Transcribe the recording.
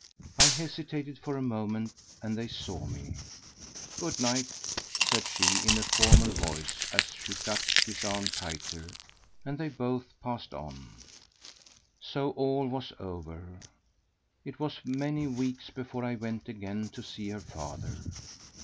I hesitated for a moment, and they saw me. "Good night!" said she in a formal voice as she clutched his arm tighter, and they both passed on. So all was over. It was many weeks before I went again to see her father.